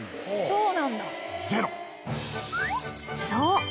そう。